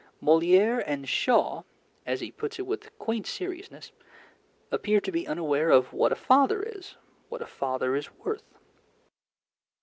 "Molière and Shaw," as he puts it with quaint seriousness, "appear to be unaware of what a father is, what a father is worth."